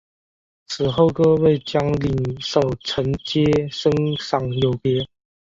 此后各位将领守臣皆升赏有别。